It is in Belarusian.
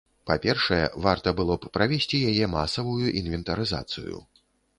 Па-першае, варта было б правесці яе масавую інвентарызацыю.